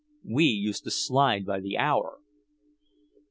We used to slide by the hour.